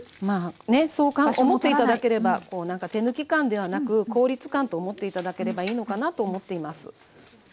まあねそう思って頂ければこうなんか手抜き感ではなく効率感と思って頂ければいいのかなと思っています。